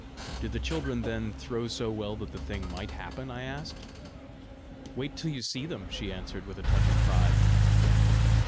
"Do the children then throw so well that the thing MIGHT happen?" I asked. "Wait till you see them!" she answered, with a touch of pride.